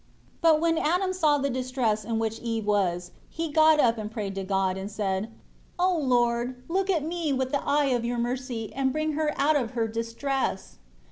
4 But when Adam saw the distress in which Eve was, he got up and prayed to God, and said, "O Lord, look at me with the eye of Your mercy, and bring her out of her distress."